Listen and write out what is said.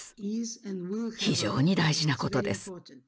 非常に大事なことです。